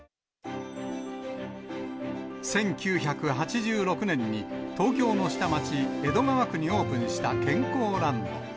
１９８６年に東京の下町、江戸川区にオープンした健康ランド。